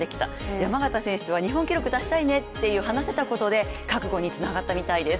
山縣選手とは日本記録出したいねと話したことで、覚悟につながったようです。